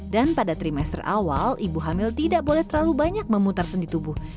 dan pada trimester awal ibu hamil tidak boleh terlalu banyak memutar sendi tubuh